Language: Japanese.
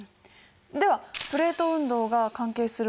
ではプレート運動が関係する